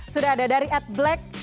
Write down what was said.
sudah ada dari at black